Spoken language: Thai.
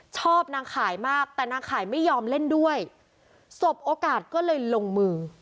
ชอบนางขายมากแต่นางขายไม่ยอมเล่นด้วยสบโอกาสก็เลยลงมือ